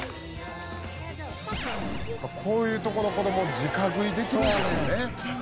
「こういうとこの子どもじか食いできるんですよね」